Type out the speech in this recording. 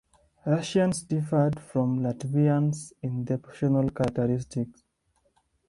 Russians differed from Latvians in their professional characteristics.